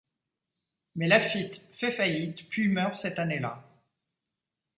Mais Laffitte fait faillite puis meurt cette année-là.